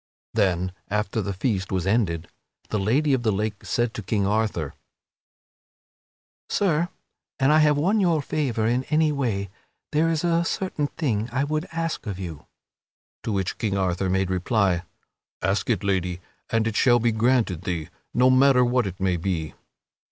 Then, after the feast was ended, the Lady of the Lake said to King Arthur, "Sir, an I have won your favor in any way, there is a certain thing I would ask of you." To the which King Arthur made reply: "Ask it, Lady, and it shall be granted thee, no matter what it may be."